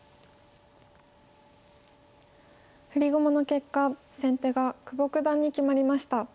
振り駒の結果先手が久保九段に決まりました。